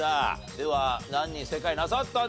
では何人正解なさったんでしょうか？